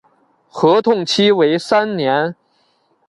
合同期为三年。